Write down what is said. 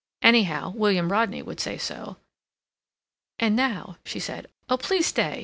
Anyhow, William Rodney would say so. "And now—" she said. "Oh, please stay!"